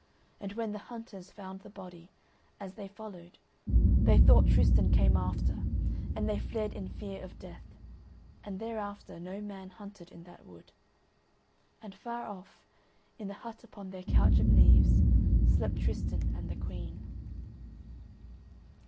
And when the hunters found the body, as they followed, they thought Tristan came after and they fled in fear of death, and thereafter no man hunted in that wood. And far off, in the hut upon their couch of leaves, slept Tristan and the Queen.